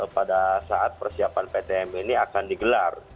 pada saat persiapan ptm ini akan digelar